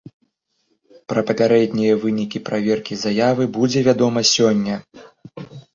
Пра папярэднія вынікі праверкі заявы будзе вядома сёння.